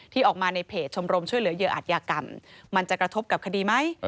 ออกมาในเพจชมรมช่วยเหลือเหยื่ออาจยากรรมมันจะกระทบกับคดีไหม